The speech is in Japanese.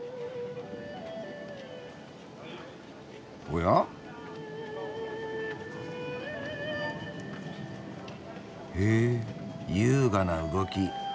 おや？へ優雅な動き。